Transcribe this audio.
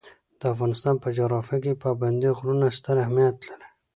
د افغانستان په جغرافیه کې پابندي غرونه ستر اهمیت لري.